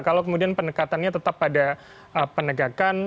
kalau kemudian pendekatannya tetap pada penegakan